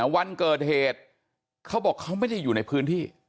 วันเกิดเหตุเขาบอกเขาไม่ได้อยู่ในพื้นที่